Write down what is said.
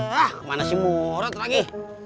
hah kemana si murad lagi